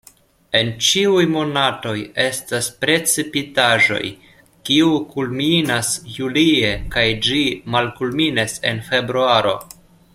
En ĉiuj monatoj estas precipitaĵoj, kiu kulminas julie kaj ĝi malkulminas en februaro.